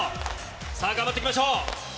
さあ、頑張っていきましょう。